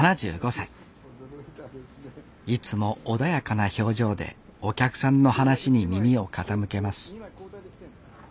いつも穏やかな表情でお客さんの話に耳を傾けます